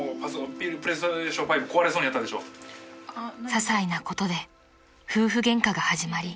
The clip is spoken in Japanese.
［ささいなことで夫婦ゲンカが始まり］